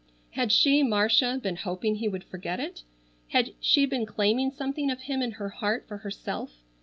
Had she, Marcia, been hoping he would forget it? Had she been claiming something of him in her heart for herself?